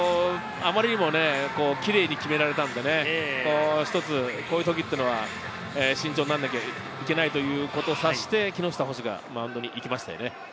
あまりにもキレイに決められたので、一つこういうときは、慎重にならなければいけないということを察して、木下捕手がマウンドに行きましたよね。